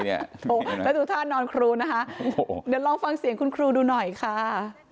แล้วดูท่านอนครูนะคะเดี๋ยวลองฟังเสียงคุณครูดูหน่อยค่ะ